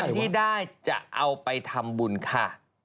ที่ได้จะเอาไปทำบุญค่ะ